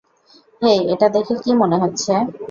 হেই, এটা দেখে কী মনে হচ্ছে?